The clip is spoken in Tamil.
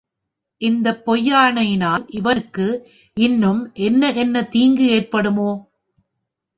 இந்தப் பொய்யாணையினால் இவனுக்கு இன்னும் என்ன என்ன தீங்கு ஏற்படுமோ?